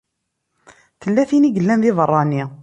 Tella tin i yellan di beṛṛa-nni.